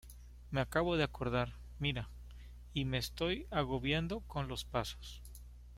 me acabo de acordar. mira, y me estoy agobiando con los pasos.